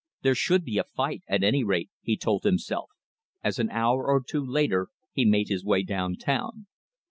There should be a fight, at any rate, he told himself, as an hour or two later he made his way downtown.